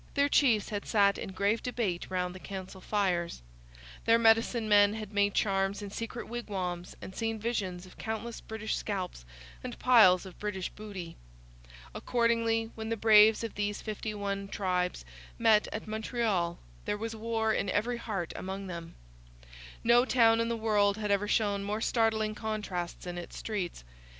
Their chiefs had sat in grave debate round the council fires. Their medicine men had made charms in secret wigwams and seen visions of countless British scalps and piles of British booty. Accordingly, when the braves of these fifty one tribes met at Montreal, there was war in every heart among them. No town in the world had ever shown more startling contrasts in its streets.